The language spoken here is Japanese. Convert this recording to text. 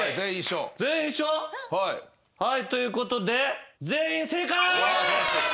全員一緒？ということで全員正解！